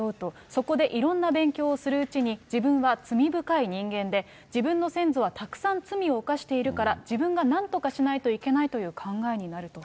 そこでいろんな勉強をするうちに自分は罪深い人間で、自分の先祖はたくさん罪を犯しているから、自分がなんとかしないといけないという考えになると。